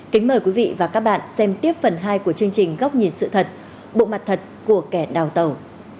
kính mời quý vị và các bạn xem tiếp phần hai của chương trình góc nhìn sự thật bộ mặt thật của kẻ đào tàu